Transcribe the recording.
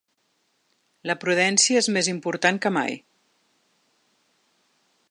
La prudència és més important que mai.